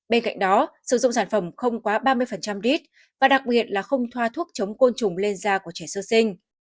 bên cạnh đó sử dụng sản phẩm không quá ba mươi lít và đặc biệt là không thoa thuốc chống côn trùng lên da của trẻ sơ sinh